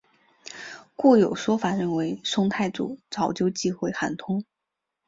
故有说法认为宋太祖早就忌讳韩通。